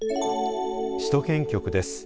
首都圏局です。